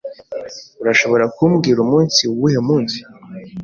Urashobora kumbwira umunsi uwuhe munsi?